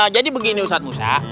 jadi begini ustadz musa